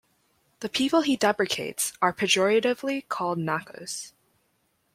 The people he deprecates are pejoratively called "nacos".